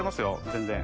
全然。